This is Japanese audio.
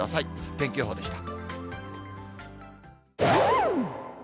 天気予報でした。